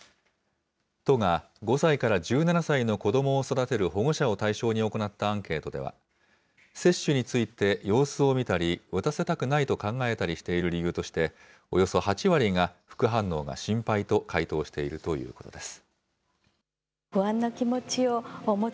都が５歳から１７歳の子どもを育てる保護者を対象に行ったアンケートでは、接種について様子を見たり、打たせたくないと考えている理由として、およそ８割が副反応が心配と回答しているということです。